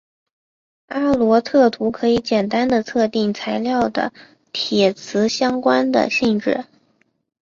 阿罗特图可以简单地测定材料的铁磁相关的性质。